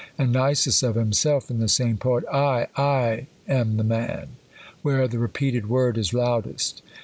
And Nisus of himself, in the same poet, " I, /am the man ;" where the repeated word is loudest.